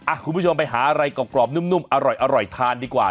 คุณผู้ชมไปหาอะไรกรอบนุ่มอร่อยทานดีกว่า